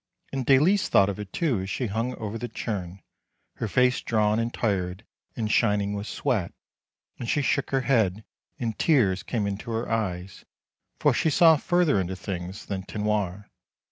And Dalice thought of it too as she hung over the churn, her face drawn and tired and shining with sweat; and she shook her head, and tears came into her eyes, for she saw further into things THE GUARDIAN OF THE FIRE 323 than Tinoir.